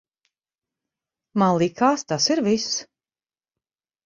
Man likās, tas ir viss.